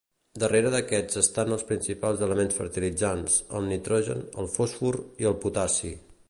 Darrere d'aquests estan els principals elements fertilitzants, el nitrogen, el fòsfor, i el potassi.